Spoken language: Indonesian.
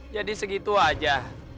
jadi segitu aja